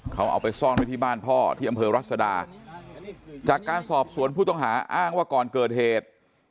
เขาเอาไปซ่อนไว้ที่บ้านพ่อที่อำเภอรัศดาจากการสอบสวนผู้ต้องหาอ้างว่าก่อนเกิดเหตุ